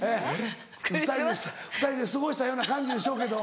ええ２人で過ごしたような感じでしょうけど